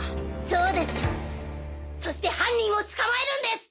そうですよそして犯人を捕まえるんです！